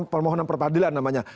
permohonan pra pradilan namanya